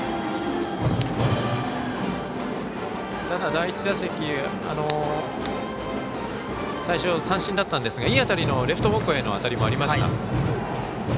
ただ、第１打席最初、三振だったんですがいい当たりのレフト方向への当たりもありました。